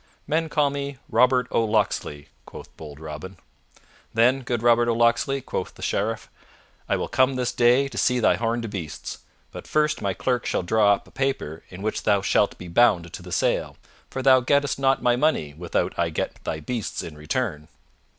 "Men call me Robert o' Locksley," quoth bold Robin. "Then, good Robert o' Locksley," quoth the Sheriff, "I will come this day to see thy horned beasts. But first my clerk shall draw up a paper in which thou shalt be bound to the sale, for thou gettest not my money without I get thy beasts in return."